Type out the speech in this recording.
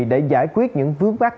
để giải quyết những vướng vắt